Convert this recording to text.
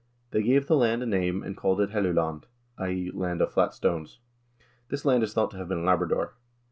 They gave the land a name and called it 'Helluland' {i.e. Land of Flat Stones)." This land is thought to have been Labrador.